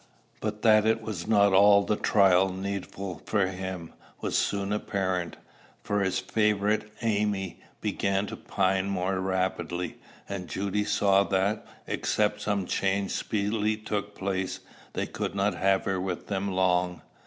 But that it was not all the trial needful for him, was soon apparent; for his favorite Amy began to pine more rapidly, and Judy saw, that, except some change speedily took place, they could not have her with them long.